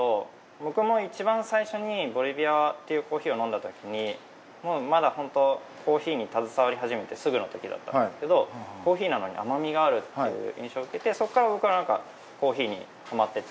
僕もいちばん最初にボリビアというコーヒーを飲んだときにまだホントコーヒーに携わり始めてすぐのときだったんですけどコーヒーなのに甘みがあるっていう印象を受けてそこから僕はなんかコーヒーにハマっていって。